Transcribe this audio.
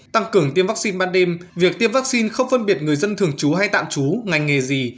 tăng cường tiêm vaccine ban đêm việc tiêm vaccine không phân biệt người dân thường trú hay tạm trú ngành nghề gì